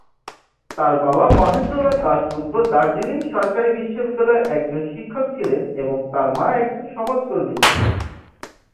তার বাবা মহেন্দ্রনাথ দাশগুপ্ত দার্জিলিং সরকারী বিদ্যালয়ের একজন শিক্ষক ছিলেন এবং তার মা একজন সমাজকর্মী ছিলেন।